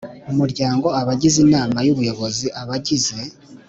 Umuryango abagize inama y ubuyobozi abagize